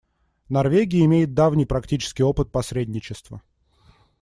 Норвегия имеет давний практический опыт посредничества.